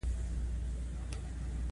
اداره په دوه ډوله رسمي او غیر رسمي ده.